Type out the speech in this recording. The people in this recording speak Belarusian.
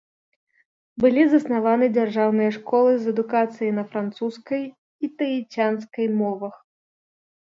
Былі заснаваны дзяржаўныя школы з адукацыяй на французскай і таіцянскай мовах.